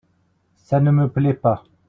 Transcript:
Ça ne me plait pas.